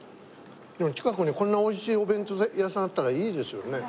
でも近くにこんな美味しいお弁当屋さんあったらいいですよね。